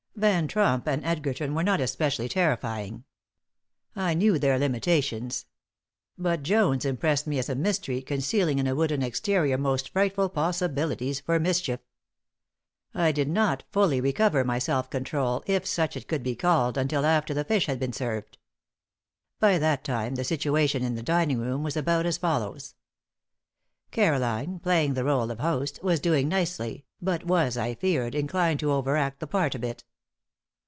Van Tromp and Edgerton were not especially terrifying. I knew their limitations. But Jones impressed me as a mystery, concealing in a wooden exterior most frightful possibilities for mischief. I did not fully recover my self control, if such it could be called, until after the fish had been served. By that time, the situation in the dining room was about as follows: Caroline, playing the rôle of host, was doing nicely, but was, I feared, inclined to over act the part a bit.